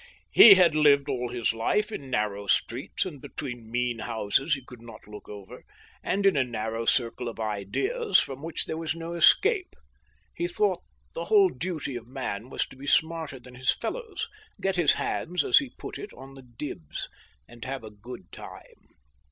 He had lived all his life in narrow streets, and between mean houses he could not look over, and in a narrow circle of ideas from which there was no escape. He thought the whole duty of man was to be smarter than his fellows, get his hands, as he put it, "on the dibs," and have a good time.